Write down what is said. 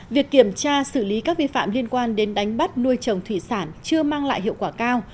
việc kiểm tra xử lý các vi phạm liên quan đến đánh bắt nuôi trồng thủy sản chưa mang lại hiệu quả cao